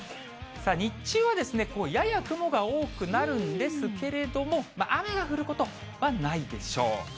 さあ、日中はですね、やや雲が多くなるんですけれども、雨が降ることはないでしょう。